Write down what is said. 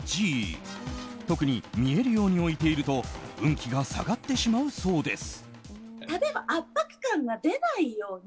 特に、見えるように置いていると運気が下がってしまうそうです。